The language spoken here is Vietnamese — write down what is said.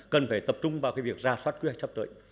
cần phải tập trung vào việc giả soát quy hoạch chấp tuệ